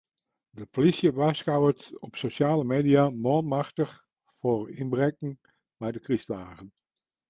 De plysje warskôget op sosjale media manmachtich foar ynbraken mei de krystdagen.